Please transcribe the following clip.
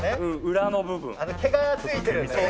裏の部分毛がついてるんでね